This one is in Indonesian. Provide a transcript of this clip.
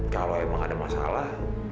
kalau emang ada masalah